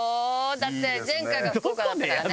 だって前回が福岡だったからね。